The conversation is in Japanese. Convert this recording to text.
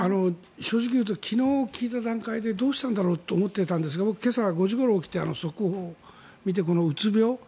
正直言うと昨日、聞いた段階でどうしたんだろうって思っていたんですが今朝５時ごろ起きて速報を見てこのうつ病。